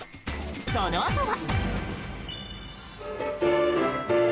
そのあとは。